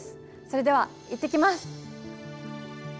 それでは行ってきます。